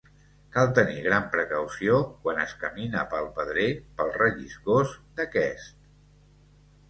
Cal tenir gran precaució quan es camina pel pedrer pel relliscós d'aquest.